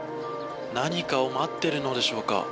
何かを待っているのでしょうか。